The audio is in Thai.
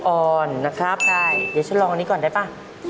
อ่อนนะครับเดี๋ยวฉันลองอันนี้ก่อนได้ป่ะ